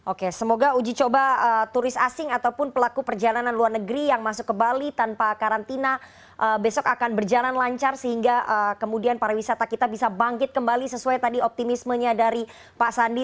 oke semoga uji coba turis asing ataupun pelaku perjalanan luar negeri yang masuk ke bali tanpa karantina besok akan berjalan lancar sehingga kemudian pariwisata kita bisa bangkit kembali sesuai tadi optimismenya dari pak sandi